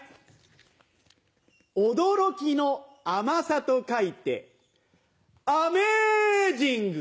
「驚き」の「甘さ」と書いてアメージング！